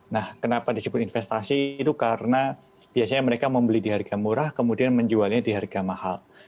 nah kenapa disebut investasi itu karena biasanya mereka membeli di harga murah kemudian menjualnya di harga mahal